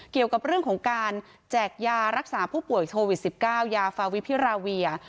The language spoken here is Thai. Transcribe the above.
เกี่ยวกับเรื่องของการแจกยารักษาผู้ป่วยโควิด๑๙ยาฟาวิพิราเวีย